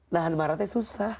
nahan marah teh susah